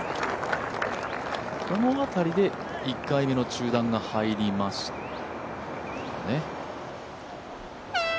この辺りで１回目の中断が入りましたね。